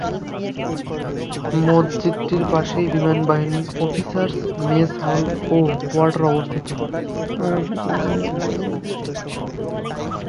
মসজিদটির পাশেই বিমানবাহিনী অফিসার্স মেস হল ও কোয়ার্টার অবস্থিত।